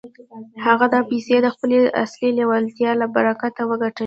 هغه دا پيسې د خپلې اصلي لېوالتيا له برکته وګټلې.